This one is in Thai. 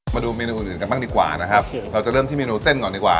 มาดูเมนูอื่นอื่นกันบ้างดีกว่านะครับเราจะเริ่มที่เมนูเส้นก่อนดีกว่า